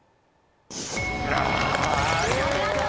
ありがとう！